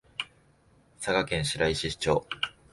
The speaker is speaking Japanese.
佐賀県白石町